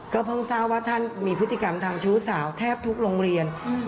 เพิ่งทราบว่าท่านมีพฤติกรรมทางชู้สาวแทบทุกโรงเรียน